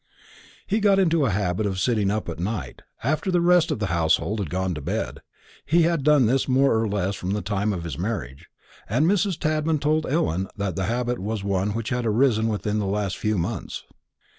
He got into a habit of sitting up at night, after the rest of the household had gone to bed. He had done this more or less from the time of his marriage; and Mrs. Tadman had told Ellen that the habit was one which had arisen within the last few months.